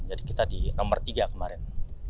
jadi kita di nomor tiga kemarin